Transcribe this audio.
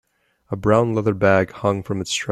A brown leather bag hung from its strap.